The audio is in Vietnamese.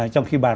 trong khi bàn